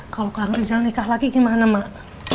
kalau kelangguran jalan nikah lagi gimana mak